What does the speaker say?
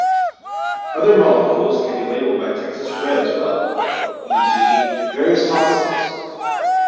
Other molecules can be labeled by Texas Red as well, e.g., various toxins.